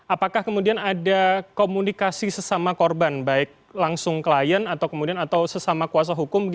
apakah kemudian ada komunikasi sesama korban baik langsung klien atau kemudian atau sesama kuasa hukum